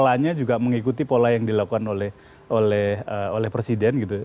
beberapa polanya juga mengikuti pola yang dilakukan oleh presiden